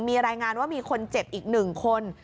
มีรายงานว่ามีคนเจ็บอีก๑คน